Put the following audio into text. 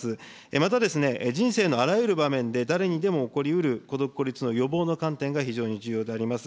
また人生のあらゆる場面で、誰にでも起こりうる孤独・孤立の予防の観点が非常に重要であります。